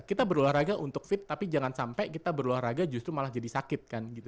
kita berolahraga untuk fit tapi jangan sampai kita berolahraga justru malah jadi sakit kan gitu